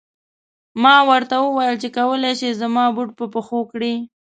ما ورته و ویل چې کولای شې زما بوټ په پښو کړې.